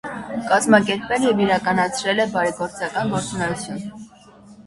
Կազմակերպել և իրականացրել է բարեգործական գործունեություն։